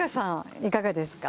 いかがですか？